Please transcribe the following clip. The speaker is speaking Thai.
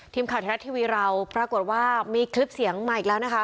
ทีมข่าวไทยรัฐทีวีเราปรากฏว่ามีคลิปเสียงมาอีกแล้วนะคะ